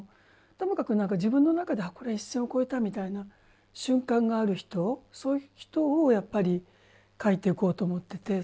ともかく自分の中でこれは一線を超えたみたいな瞬間がある人そういう人をやっぱり書いていこうと思ってて。